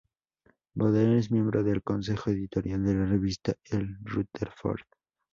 Boden es miembro del consejo editorial de la revista "El Rutherford".